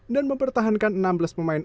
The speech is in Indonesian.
dan mempertahankan enam belas pemain